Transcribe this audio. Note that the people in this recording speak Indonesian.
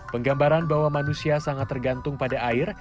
penggambaran bahwa manusia sangat tergantung pada air